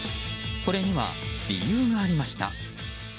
これには、理由がありました。